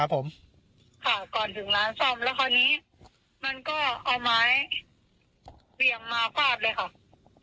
แต่ตอนนี้มันก็เอาไม้เหวี่ยงมาฝาดเลยค่ะ